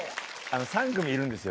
３組いるんですよ